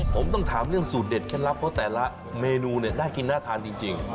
ผมต้องถามเรื่องสูตรเด็ดเคล็ดลับเพราะแต่ละเมนูเนี่ยน่ากินน่าทานจริง